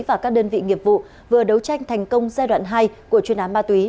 và các đơn vị nghiệp vụ vừa đấu tranh thành công giai đoạn hai của chuyên án ma túy